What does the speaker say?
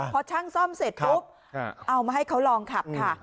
พอช่างซ่อมเสร็จปุ๊บเอามาให้เขาลองขับค่ะ